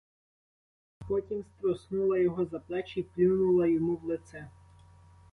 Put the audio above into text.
Потім струснула його за плечі й плюнула йому в лице.